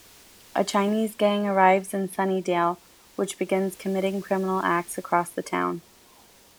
A Chinese gang arrives in Sunnydale, which begins committing criminal acts across the town.